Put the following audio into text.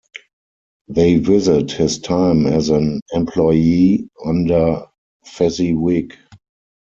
They visit his time as an employee under Fezziwig.